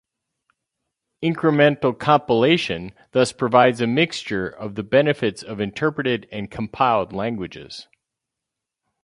Incremental compilation thus provides a mixture of the benefits of interpreted and compiled languages.